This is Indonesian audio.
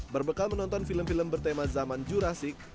berbekal menonton film film bertema zaman jurasik